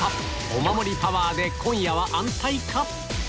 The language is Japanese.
お守りパワーで今夜は安泰か？